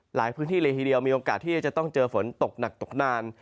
หลายพื้นที่เลยทีเดียวมีโอกาสที่จะต้องเจอฝนตกหนักตกนาน